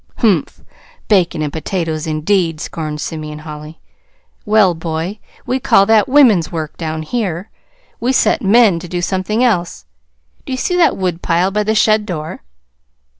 "Humph! bacon and potatoes, indeed!" scorned Simeon Holly. "Well, boy, we call that women's work down here. We set men to something else. Do you see that woodpile by the shed door?"